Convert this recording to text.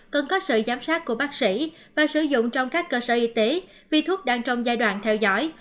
cần có sự giám sát của bác sĩ và sử dụng trong các cơ sở y tế vì thuốc đang trong giai đoạn theo dõi